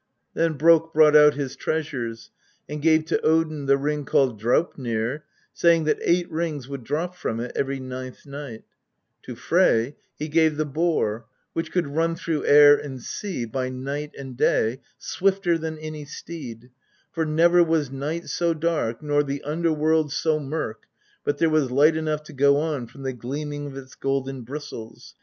Then Brokk brought out his treasures, and gave to Odin the ring called Draupnir, saying that eight rings would drop from it every ninth night ; to Frey he gave the Boar which could run through air and sea, by night and day, swifter than any steed, for never was night so dark nor the underworld so murk but there was light enough to go on from the gleaming of its golden bristles.